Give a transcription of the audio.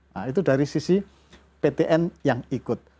nah itu dari sisi ptn yang ikut